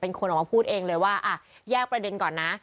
เป็นคนออกมาพูดเองเลยว่าแยกประเด็นก่อนนะ